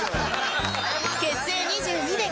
結成２２年！